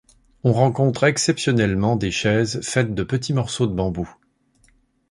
On rencontre exceptionnellement des chaises faites de petits morceaux de bambou.